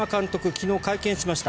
昨日、会見しました。